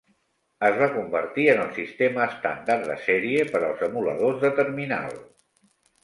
Es va convertir en el sistema estàndard de sèrie per als emuladors de terminal.